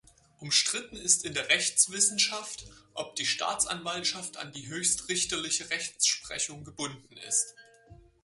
Umstritten ist in der Rechtswissenschaft, ob die Staatsanwaltschaft an die höchstrichterliche Rechtsprechung gebunden ist.